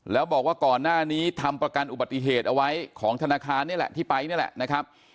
แล้วบอกว่าก่อนหน้านี้ทำประกันอุบัติเหตุเอาไว้ของธนาคารนี่แหละที่ไปนี่แหละนะครับ